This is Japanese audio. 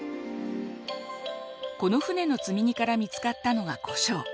この船の積み荷から見つかったのがこしょう。